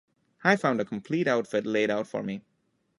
I found a complete outfit laid out for me.